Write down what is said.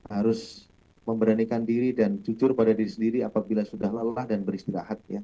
harus memberanikan diri dan jujur pada diri sendiri apabila sudah lelah dan beristirahat